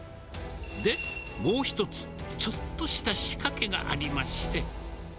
で、もう一つ、ちょっとした仕掛けがありまして。